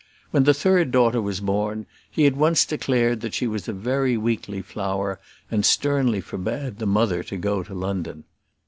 When the third daughter was born, he at once declared that she was a very weakly flower, and sternly forbade the mother to go to London.